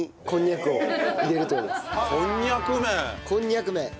こんにゃく麺！